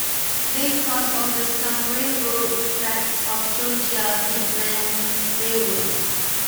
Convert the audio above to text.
They crossed over some railroad tracks of Georgia Midland Railroad.